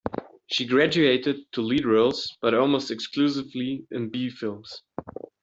She graduated to lead roles, but almost exclusively in "B" films.